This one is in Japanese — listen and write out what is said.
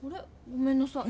ごめんなさい。